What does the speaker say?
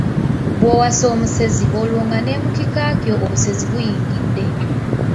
Bw'owasa omusezi olwo nga ne mu kika kyo obusezi buyingidde.